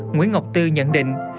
nguyễn ngọc tư nhận định